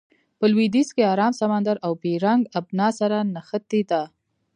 په لویدیځ کې ارام سمندر او بیرنګ آبنا سره نښتې ده.